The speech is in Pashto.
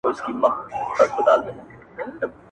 ه شعر كي دي زمـــا اوربــل دی~